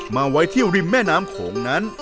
มาไว้ที่ริมแม่น้ำโขงนั้น